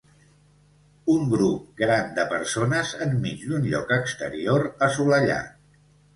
Un grup gran de persones enmig d'un lloc exterior assolellat.